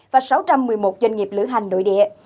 và sáu trăm một mươi một doanh nghiệp lữ hành nội địa